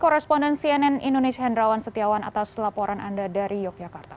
koresponden cnn indonesia hendrawan setiawan atas laporan anda dari yogyakarta